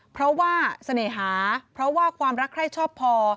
เพราะว่าเสน่หาเพราะว่าความรักใครชอบพอ